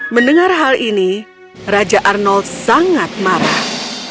mendengar hal ini raja arnold sangat marah